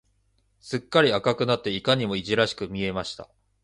すっかり赤くなって、いかにもいじらしく見えました。